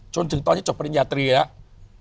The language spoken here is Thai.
จนถึงตอนนี้จบปริญญาตรีแล้ว